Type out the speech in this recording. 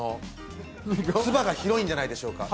つばが広いんじゃないでしょうか